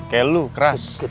kayak lu keras